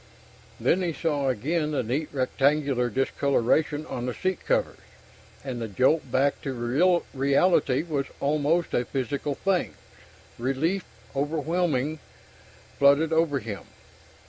Then he saw again the neat rectangular discoloration on the seat covers, and the jolt back to reality was almost a physical thing. Relief, overwhelming, flooded over him.